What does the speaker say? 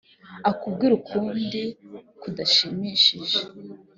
akubwire ukundi kudashimishije